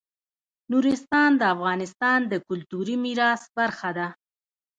نورستان د افغانستان د کلتوري میراث برخه ده.